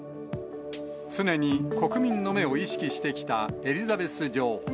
常に国民の目を意識してきたエリザベス女王。